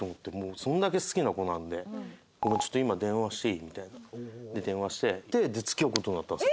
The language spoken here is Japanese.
それだけ好きな子なんで「ちょっと今電話していい？」みたいな。で電話して付き合う事になったんですよ。